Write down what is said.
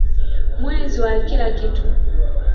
mweza wa kila kitu